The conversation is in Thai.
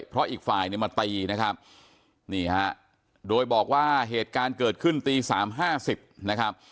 เพราะอีกฝ่ายเนี่ยมาตีนะครับนี่ฮะโดยบอกว่าเหตุการณ์เกิดขึ้นตีสามห้าสิบนะครับ